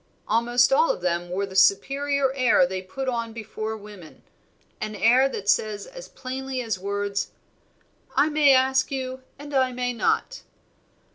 Almost all of them wore the superior air they put on before women, an air that says as plainly as words, 'I may ask you and I may not.'